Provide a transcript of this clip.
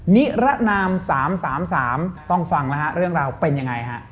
นิรนาม๓๓ต้องฟังแล้วฮะเรื่องราวเป็นยังไงฮะ